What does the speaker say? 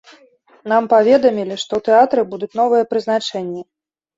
Нам паведамілі, што ў тэатры будуць новыя прызначэнні.